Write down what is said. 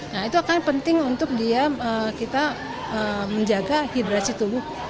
nah itu akan penting untuk dia kita menjaga hidrasi tubuh